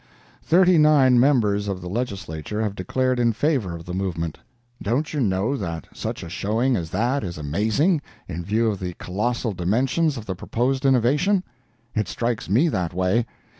Thirty nine members of the Legislature have declared in favor of the movement. Don't you know that such a showing as that is amazing, in view of the colossal dimensions of the proposed innovation? It strikes me that way.